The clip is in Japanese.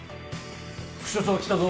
副署長来たぞ。